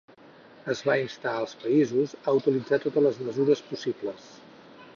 Es va instar als països a utilitzar totes les mesures possibles.